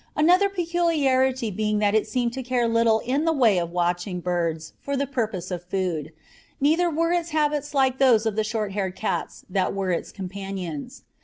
Another peculiarity being that it seemed to care little in the way of watching birds for the purpose of food, neither were its habits like those of the short haired cats that were its companions.